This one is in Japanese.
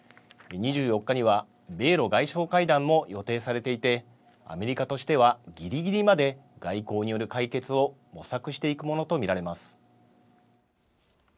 ２４日には、米ロ外相会談も予定されていて、アメリカとしては、ぎりぎりまで外交による解決を模索していくものと見られます。